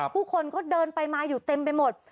ผู้คนก็เดินไปมาอยู่เต็มไปหมด